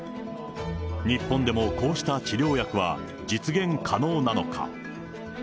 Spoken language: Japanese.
日本でもこうした治療薬は実現可能なのか。